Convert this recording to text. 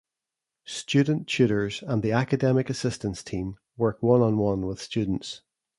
Student tutors and the academic assistance team work one-on-one with students.